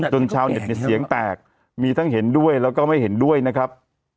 ชาวเน็ตเนี่ยเสียงแตกมีทั้งเห็นด้วยแล้วก็ไม่เห็นด้วยนะครับ